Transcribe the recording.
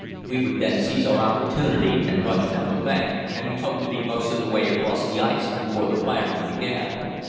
We would then seize our opportunity and rush down the bank, and we hoped to be most of the way across the ice before the firing began.